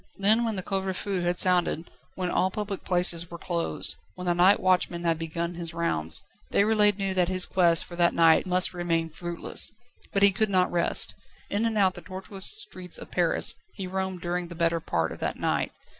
Then when the couvre feu had sounded, when all public places were closed, when the night watchman had begun his rounds, Déroulède knew that his quest for that night must remain fruitless. But he could not rest. In and out the tortuous streets of Paris he roamed during the better part of that night.